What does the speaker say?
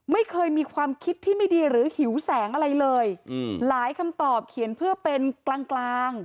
ไม่เคยมีความคิดที่ไม่ดีหรือหิวแสงอะไรเลยหลายคำตอบเขียนเพื่อเป็นกลางกลาง